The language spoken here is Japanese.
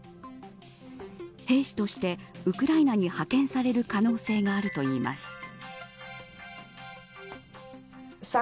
兵士として、ウクライナに派遣される可能性があるといいます。